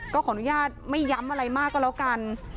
ขออนุญาตไม่ย้ำอะไรมากก็แล้วกัน